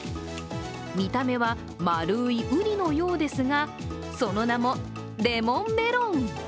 見た目は丸いうりのようですが、その名も、レモンメロン。